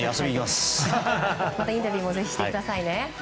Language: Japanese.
またインタビューもしてくださいね。